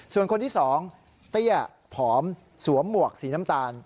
ส่วนคนที่๒เตี้ยผอมสวมหมวกสีน้ำตาล